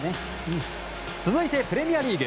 続いて、プレミアリーグ。